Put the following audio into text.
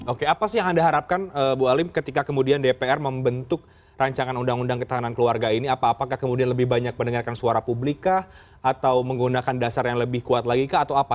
oke apa sih yang anda harapkan bu alim ketika kemudian dpr membentuk rancangan undang undang ketahanan keluarga ini apa apakah kemudian lebih banyak mendengarkan suara publika atau menggunakan dasar yang lebih kuat lagi kah atau apa